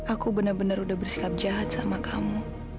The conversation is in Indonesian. aku bener bener udah bersikap jahat sama kamu